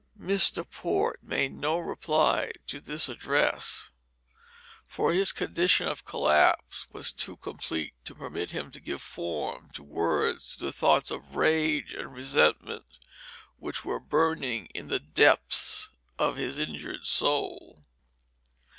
Mr. Port made no reply to this address, for his condition of collapse was too complete to permit him to give form in words to the thoughts of rage and resentment which were burning in the depths of his injured soul.